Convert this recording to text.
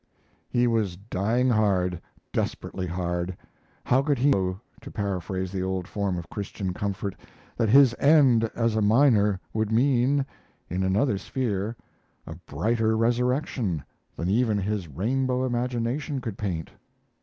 He was dying hard, desperately hard; how could he know, to paraphrase the old form of Christian comfort, that his end as a miner would mean, in another sphere, "a brighter resurrection" than even his rainbow imagination could paint?